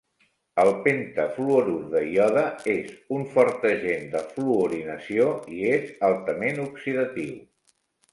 El pentafluorur de iode és un fort agent de fluorinació i és altament oxidatiu.